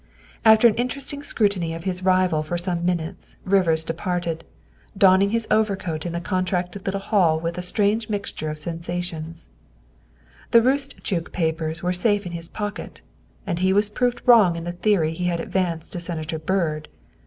After an interested scrutiny of his rival for some minutes Rivers departed, donning his overcoat hi the contracted little hall with a strange mixture of sensa tions. The Roostchook papers were safe in his pocket, and he was proved wrong in the theory he had advanced to Senator Byrd.